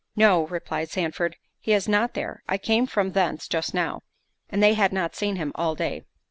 "No," replied Sandford, "he is not there; I came from thence just now, and they had not seen him all day."